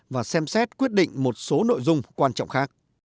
và xem xét quyết định một số nội dung quan trọng khác